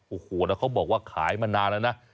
โอ้โหแล้วเขาบอกว่าขายมานานแล้วนะ